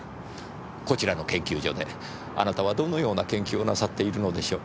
こちらの研究所であなたはどのような研究をなさっているのでしょう？